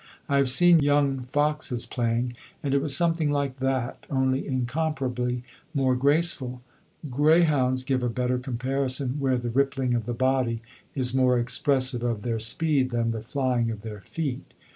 I have seen young foxes playing, and it was something like that, only incomparably more graceful. Greyhounds give a better comparison where the rippling of the body is more expressive of their speed than the flying of their feet.